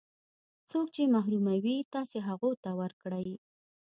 څوک چې محروموي تاسې هغو ته ورکړئ.